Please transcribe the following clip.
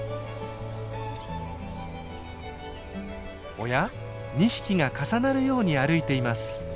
おや２匹が重なるように歩いています。